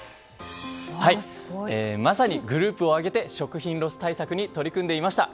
まさにグループを挙げて食品ロス対策に取り組んでいました。